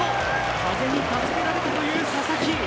風に助けられた佐々木。